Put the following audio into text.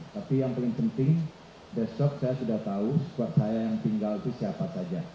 tapi yang paling penting besok saya sudah tahu squad saya yang tinggal itu siapa saja